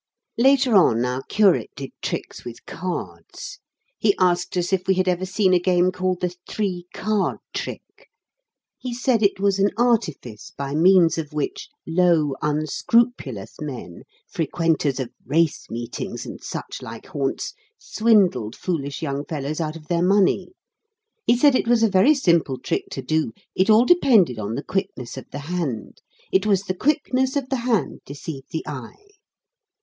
Later on, our curate did tricks with cards. He asked us if we had ever seen a game called the "Three Card Trick." He said it was an artifice by means of which low, unscrupulous men, frequenters of race meetings and such like haunts, swindled foolish young fellows out of their money. He said it was a very simple trick to do: it all depended on the quickness of the hand. It was the quickness of the hand deceived the eye.